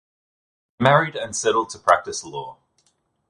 He married and settled to practice law.